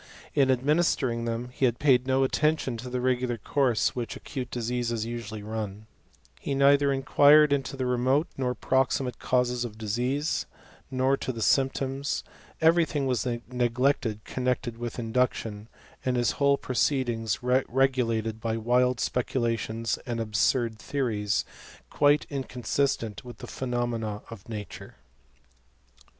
In administering them he paid no attention t^ the regular course which acute diseases usually run; he neither inquired into the remote nor proximate causes of disease, nor to the symptoms : every thin^ ^vas neglected connected with induction, and hm whole proceedings regulated by wild speculations and ibgord theories, quite inconsistent with the phenomena nf nature.